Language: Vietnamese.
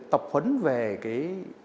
tập huấn về cái